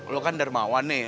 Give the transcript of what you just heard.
lu kan dermawan nih